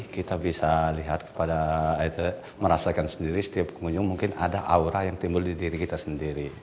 kita bisa lihat kepada merasakan sendiri setiap pengunjung mungkin ada aura yang timbul di diri kita sendiri